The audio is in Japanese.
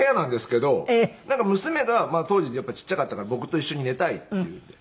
娘がまだ当時ちっちゃかったから僕と一緒に寝たいっていって。